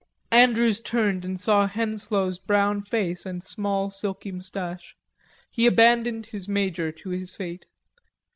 Andrews turned and saw Henslowe's brown face and small silky mustache. He abandoned his major to his fate.